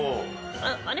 あれ？